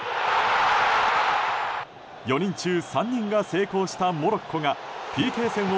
４人中３人が成功したモロッコがＰＫ戦を